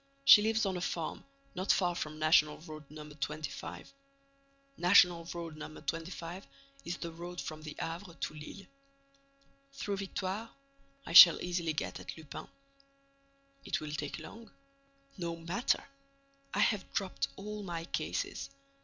She lives on a farm, not far from National Road No. 25. National Road No. 25 is the road from the Havre to Lille. Through Victoire I shall easily get at Lupin." "It will take long." "No matter! I have dropped all my cases.